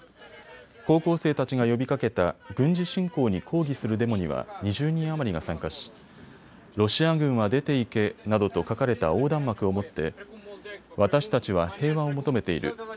高校生たちが呼びかけた軍事侵攻に抗議するデモには２０人余りが参加しロシア軍は出て行けなどと書かれた横断幕を持って私たちは平和を求めている。